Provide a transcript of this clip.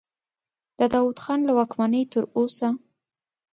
د داود خان له واکمنۍ تر اوسه.